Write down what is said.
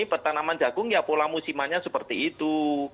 pertanaman jagung ya pola musimannya seperti itu